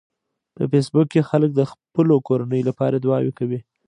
په فېسبوک کې خلک د خپلو کورنیو لپاره دعاوې کوي